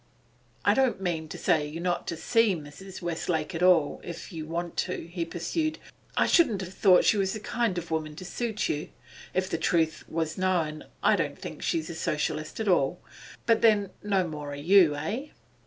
'I don't mean to say you're not to see Mrs. Westlake at all, if you want to,' he pursued. 'I shouldn't have thought she was the kind of woman to suit you. If the truth was known, I don't think she's a Socialist at all. But then, no more are you, eh?